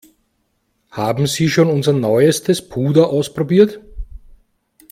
Haben Sie schon unser neuestes Puder ausprobiert?